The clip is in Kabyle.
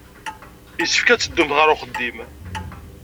Yessefk ad teddumt ɣer uxeddim.